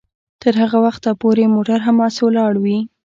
تر هغه وخته پورې موټر همداسې ولاړ وي